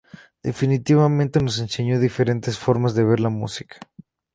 Definitivamente nos enseñó diferentes formas de ver la música.